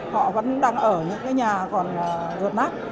họ vẫn đang ở những cái nhà còn rột nát